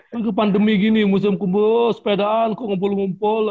kalau pandemi gini musim sepedaan kok ngumpul ngumpul